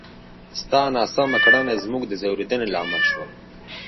ستا ناسمه کړنه زموږ د ځورېدنې لامل شوه!